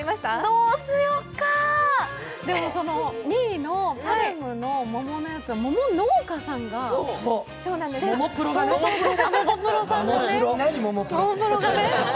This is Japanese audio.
どうしよっか２位のＰＡＲＭの桃のやつは桃農家さんが、ももプロさんがね。